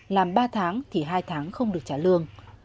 làm ba tháng thì hai tháng không được trả lương